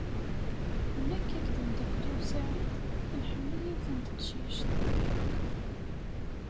Nek akked umdakkel-iw Saɛid nḥemmel yiwet n teqcict.